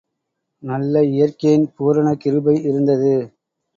நல்ல இயற்கையின் பூரண கிருபை இருந்தது.